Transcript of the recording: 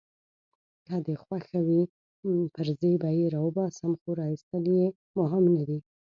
که دي خوښه وي پرزې به يې راوباسم، خو راایستل يې مهم نه دي.